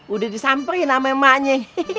udah disamperin sama emaknya